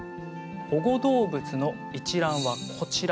「保護動物の一覧はこちら」